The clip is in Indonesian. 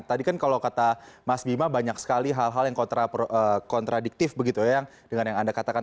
tadi kan kalau kata mas bima banyak sekali hal hal yang kontradiktif begitu ya dengan yang anda katakan